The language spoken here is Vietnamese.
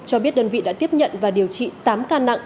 cho biết đơn vị đã tiếp nhận và điều trị tám ca nặng